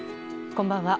こんばんは。